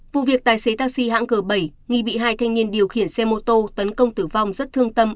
vụ việc tài xế taxi hãng g bảy nghi bị hai thanh niên điều khiển xe mô tô tấn công tử vong rất thương tâm